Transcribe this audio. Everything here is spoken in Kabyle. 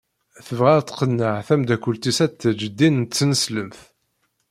Tebɣa ad tqenneɛ tamdakelt-is ad teǧǧ ddin n tneslemt.